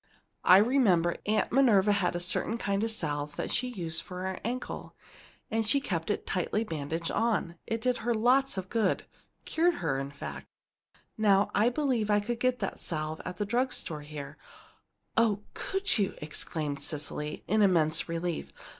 I remember Aunt Minerva had a certain kind of salve that she used for her ankle, and she kept it tightly bandaged on. It did her lots of good cured her, in fact. Now I believe I could get that salve at a drug store here " "Oh, could you?" exclaimed Cecily, in immense relief.